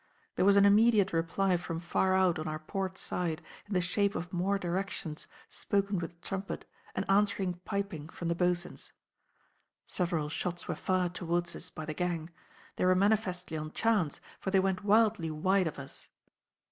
There was an immediate reply from far out on our port side in the shape of more directions spoken with the trumpet and answering piping from the boatswains. Several shots were fired towards us by the gang; they were manifestly on chance, for they went wildly wide of us.